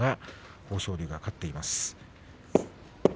豊昇龍が勝っています。